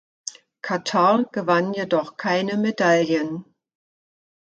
Katar gewann jedoch keine Medaillen.